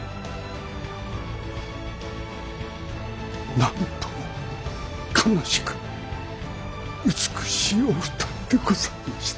なんとも悲しく美しいお二人でございました。